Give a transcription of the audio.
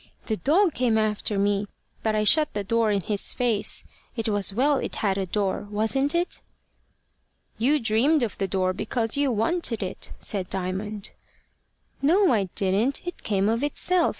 The dog came after me, but I shut the door in his face. It was well it had a door wasn't it?" "You dreamed of the door because you wanted it," said Diamond. "No, I didn't; it came of itself.